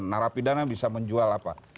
narapidana bisa menjual apa